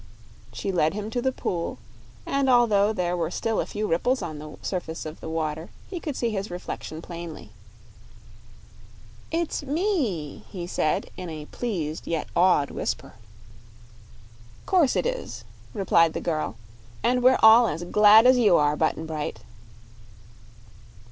She led him to the pool, and although there were still a few ripples on the surface of the water he could see his reflection plainly. "It's me!" he said, in a pleased yet awed whisper. "'Course it is," replied the girl, "and we're all as glad as you are, Button Bright."